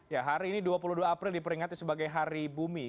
ya hari ini dua puluh dua april diperingati sebagai hari bumi